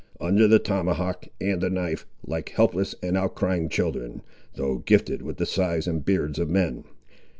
Under the tomahawk and the knife, like helpless and outcrying children, though gifted with the size and beards of men.